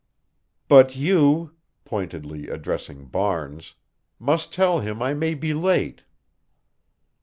"But you," pointedly addressing Barnes, "must tell him I may be late."